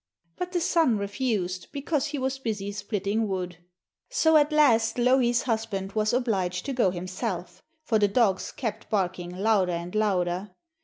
But the son refused, because he was busy splitting wood. So at last Louhi's husband was obliged to go himself, for the dogs kept barking louder and louder.